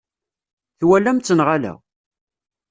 Twalam-tt neɣ ala?